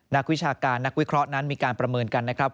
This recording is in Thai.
วิชาการนักวิเคราะห์นั้นมีการประเมินกันนะครับ